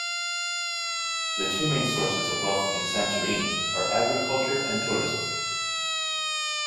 The two main sources of wealth in Santorini are agriculture and tourism.